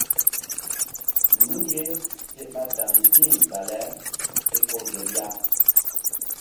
Nun ye se ɓa damndi̧ bale ke ko gel ya.